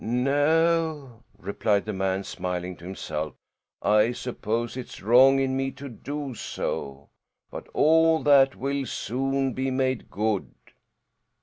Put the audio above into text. "No," replied the man, smiling to himself. "I suppose it's wrong in me to do so; but all that will soon be made good."